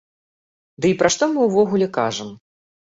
Ды і пра што мы ўвогуле кажам?!